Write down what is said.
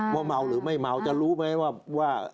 ว่าเมาหรือไม่เมาจะรู้ไหมว่า